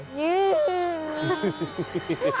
ยิ้ม